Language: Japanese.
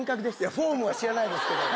フォームは知らないですけど。